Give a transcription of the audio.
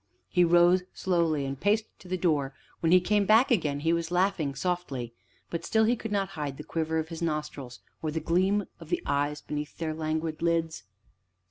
He rose slowly and paced to the door; when he came back again, he was laughing softly, but still he could not hide the quiver of his nostrils, or the gleam of the eyes beneath their languid lids.